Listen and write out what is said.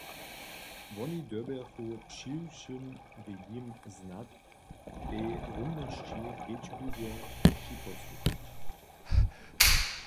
Woni dyrbjachu přiwšěm w jim znatej rumnosći kedźbliwje připosłuchać.